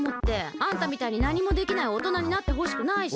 あんたみたいになにもできないおとなになってほしくないし。